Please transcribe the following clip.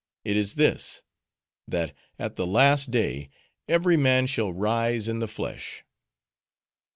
It is this;—that at the last day, every man shall rise in the flesh."